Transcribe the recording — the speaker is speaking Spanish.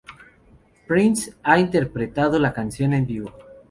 Prince ha interpretado la canción en vivo.